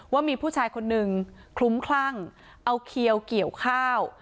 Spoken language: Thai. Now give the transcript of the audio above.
ว่ามีผู้ชายคนนึงคลุ้มคลั่งเอาเขียวเกี่ยวข้าว